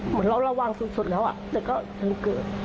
เหมือนเราระวังสุดแล้วแต่ก็ยังเกิด